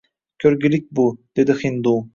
Ko’rgilik bu, dedi hindu